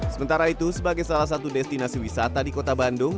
sementara itu sebagai salah satu destinasi wisata di kota bandung